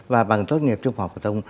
và bằng tốt nghiệp trung học phổ thông